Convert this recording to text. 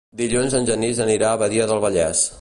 Dilluns en Genís anirà a Badia del Vallès.